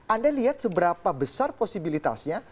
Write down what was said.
anda lihat seberapa besar posibilitasnya